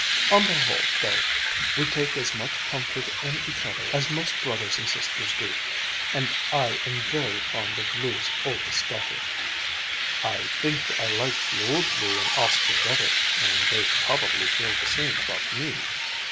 On the whole, though, we take as much comfort in each other as most brothers and sisters do. And I am very fond of Lou's oldest daughter." "I think I liked the old Lou and Oscar better, and they probably feel the same about me.